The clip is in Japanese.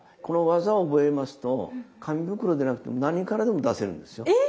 この技を覚えますと紙袋でなくても何からでも出せるんですよ。